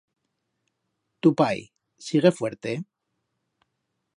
Tu pai, sigue fuerte?